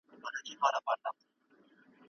ولي زیارکښ کس د لایق کس په پرتله هدف ترلاسه کوي؟